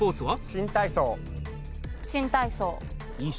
新体操。